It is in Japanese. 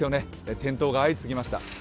転倒が相次ぎました。